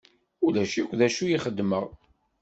Ulac akk d acu i xedmeɣ.